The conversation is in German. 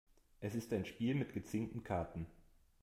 Es ist ein Spiel mit gezinkten Karten.